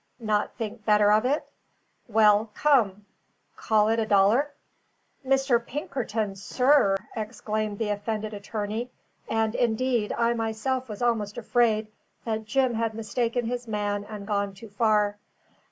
"Not think better of it? Well, come call it a dollar?" "Mr. Pinkerton, sir!" exclaimed the offended attorney; and, indeed, I myself was almost afraid that Jim had mistaken his man and gone too far.